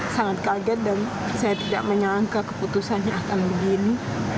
sangat kaget dan saya tidak menyangka keputusannya akan begini